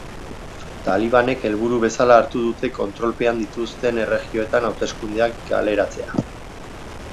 Talibanek helburu bezala hartu dute kontrolpean dituzten erregioetan hauteskundeak galeratzea.